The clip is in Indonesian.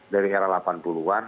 dari era delapan puluh an